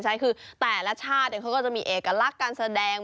ใช่คือแต่ละชาติเขาก็จะมีเอกลักษณ์การแสดง